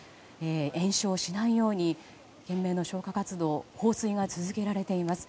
延焼しないように懸命の消火活動放水が続けられています。